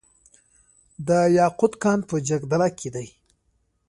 د یاقوت کان په جګدلک کې دی